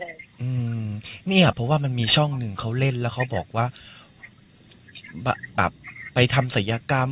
อืมเนี่ยเพราะว่ามันมีช่องหนึ่งเขาเล่นแล้วเขาบอกว่าแบบไปทำศัยกรรม